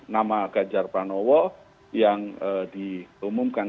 nama ganjar pranowo yang diumumkan